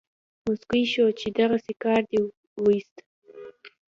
موسکی شو چې دغسې کار دې وایست.